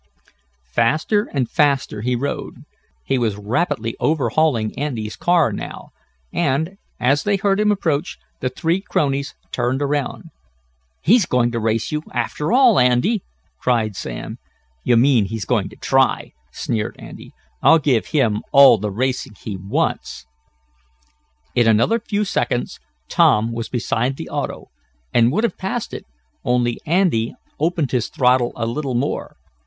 Faster and faster he rode. He was rapidly overhauling Andy's car now, and, as they heard him approach, the three cronies turned around. "He's going to race you, after all, Andy!" cried Sam. "You mean he's going to try," sneered Andy. "I'll give him all the racing he wants!" In another few seconds Tom was beside the auto, and would have passed it, only Andy opened his throttle a little more.